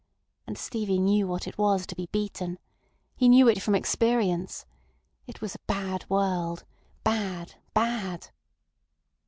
And Stevie knew what it was to be beaten. He knew it from experience. It was a bad world. Bad! Bad!